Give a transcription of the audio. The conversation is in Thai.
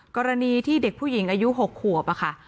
กรณีที่เด็กผู้หญิงอายุ๖ขวบค่ะ